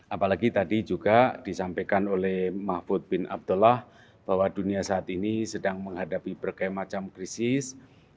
apalagi tadi juga disampaikan oleh mahfud bin abdullah bahwa dunia saat ini sedang menghadapi berbagai macam krisis